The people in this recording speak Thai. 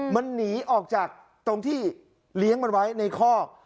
มันหนีออกจากตรงที่เลี้ยงมันไว้ในคอก